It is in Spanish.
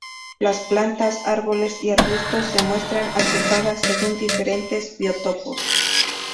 Las plantas, árboles y arbustos, se muestran agrupadas según diferentes biotopos.